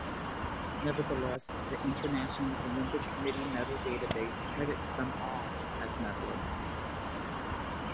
Nevertheless, the International Olympic Committee medal database credits them all as medalists.